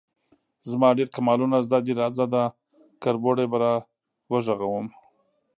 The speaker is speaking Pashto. _زما ډېر کمالونه زده دي، راځه، دا کربوړی به راوغږوم.